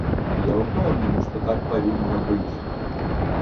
Я ўпэўнены, што так павінна быць.